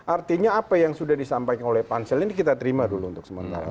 artinya apa yang sudah disampaikan oleh pansel ini kita terima dulu untuk sementara